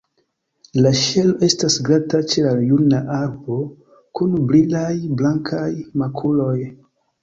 La ŝelo estas glata ĉe la juna arbo, kun brilaj, blankaj makuloj.